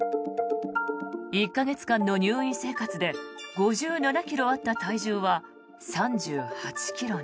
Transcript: １か月間の入院生活で５７ｋｇあった体重は３８ｋｇに。